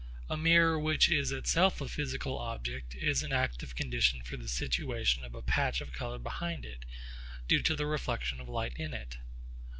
A mirror which is itself a physical object is an active condition for the situation of a patch of colour behind it, due to the reflection of light in it.